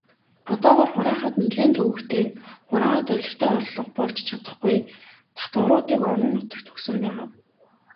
Одоогоор хураахад нэлээн төвөгтэй, хураагаад олигтой орлого болж чадахгүй татваруудыг орон нутагт өгсөн байгаа.